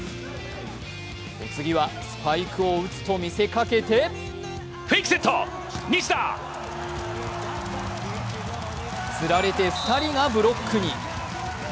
お次はスパイクを打つと見せかけてつられて２人がブロックに。